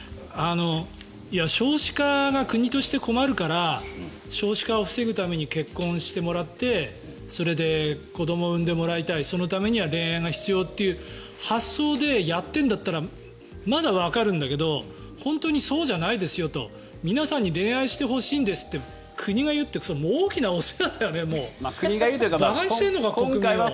少子化が国として困るから少子化を防ぐために結婚してもらってそれで子どもを生んでもらいたいそのためには恋愛が必要という発想でやっているんだったらまだわかるんだけど本当にそうじゃないですよと皆さんに恋愛してほしいんですって国が言うって大きなお世話だよね馬鹿にしてるのか、国民を。